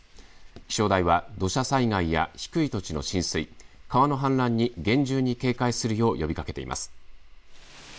気象台は土砂災害や低い土地の浸水川の氾濫に厳重に警戒するよう呼びかけています。